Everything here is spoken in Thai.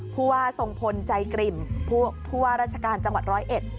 ผู้ว่าทรงพลใจกริ่มผู้ว่าราชการจังหวัดร้อยเอ็ด